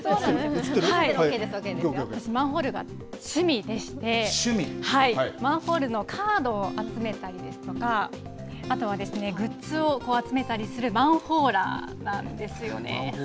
私、マンホールが趣味でしてマンホールのカードを集めたりですとかあとはグッズを集めたりするマンホーラーなんですよ。